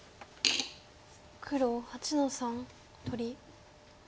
黒８の三取り。